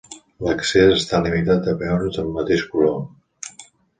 L'accés està limitat a peons del mateix color.